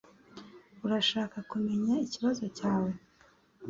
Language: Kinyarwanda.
Urashaka kumenya ikibazo cyawe